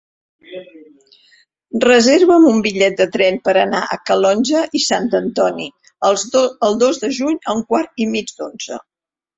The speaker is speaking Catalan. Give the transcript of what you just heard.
Reserva'm un bitllet de tren per anar a Calonge i Sant Antoni el dos de juny a un quart i mig d'onze.